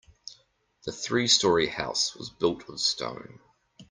The three story house was built of stone.